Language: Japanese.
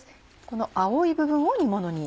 この青い部分を煮物に？